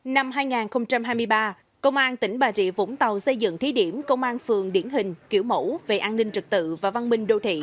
năm hai nghìn hai mươi ba công an tỉnh bà rịa vũng tàu xây dựng thí điểm công an phường điển hình kiểu mẫu về an ninh trật tự và văn minh đô thị